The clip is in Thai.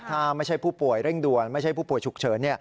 ถ้าไม่ใช่ผู้ป่วยเร่งด่วนไม่ใช่ผู้ป่วยฉุกเฉิน